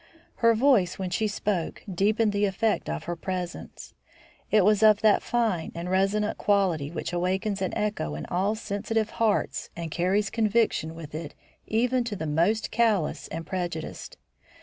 Her voice when she spoke deepened the effect of her presence. It was of that fine and resonant quality which awakens an echo in all sensitive hearts and carries conviction with it even to the most callous and prejudiced.